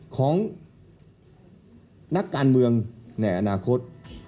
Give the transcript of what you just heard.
ของนักการเมืองในอนาคต